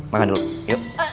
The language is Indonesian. makan dulu yuk